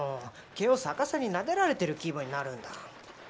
毛を逆さになでられてる気分になるんだ。